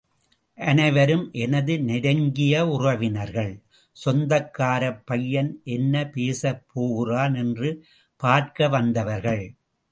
அனைவரும் எனது நெருங்கிய உறவினர்கள், சொந்தக்காரப் பையன் என்ன பேசப் போகிறான் என்று பார்க்க வந்தவர்கள்.